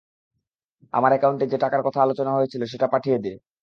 আমার একাউন্টে যে টাকার কথা আলোচনা হয়েছিল সেটা পাঠিয়ে দে।